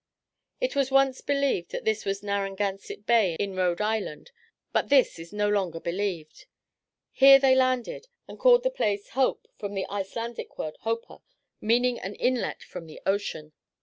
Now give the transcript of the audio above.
It was once believed that this was Narragansett Bay in Rhode Island, but this is no longer believed. Here they landed and called the place Hóp, from the Icelandic word hópa, meaning an inlet from the ocean.